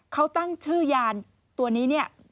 เขาตั้งชื่อยานตัวนี้เนี่ย